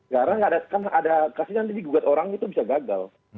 karena ada kasus nanti digugat orang itu bisa gagal